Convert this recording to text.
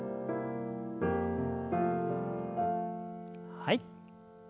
はい。